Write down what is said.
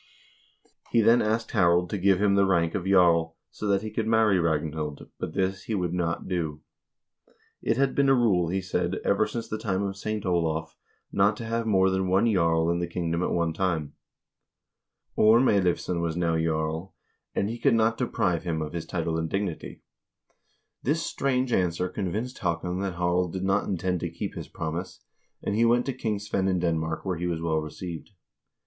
He then asked Harald to give him the rank of jarl, so that he could marry Ragnhild, but this he would not do. It had been a rule, he said, ever since the time of St. Olav, not to have more than one jarl in the kingdom at one time. Orm Eilivsson was now jarl, and he could not deprive him THE REIGN OF HARALD HAARDRAADE 283 of his title and dignity. This strange answer convinced Haakon that Harald did not intend to keep his promise, and he went to King Svein in Denmark, where he was well received.